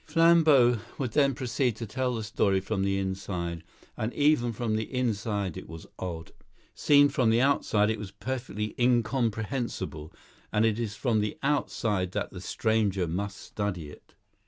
Flambeau would then proceed to tell the story from the inside; and even from the inside it was odd. Seen from the outside it was perfectly incomprehensible, and it is from the outside that the stranger must study it.